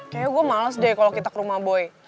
kayaknya gue males deh kalau kita ke rumah boy